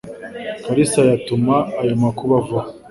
Kalisa yatuma ayo makuba avaho.